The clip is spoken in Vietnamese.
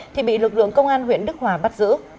thì bị lực lượng công an huyện đức hòa bắt giữ